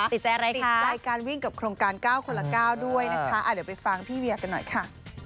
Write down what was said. ติดใจการวิ่งกับโครงการ๙คนละ๙ด้วยนะคะเดี๋ยวไปฟังพี่เวียกันหน่อยค่ะ